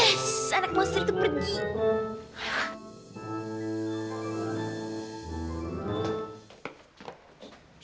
yes anak monster itu pergi